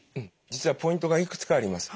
実はポイントがいくつかあります。